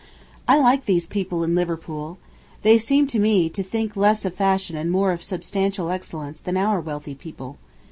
I like these people in Liverpool. They seem to me to think less of fashion and more of substantial excellence than our wealthy people.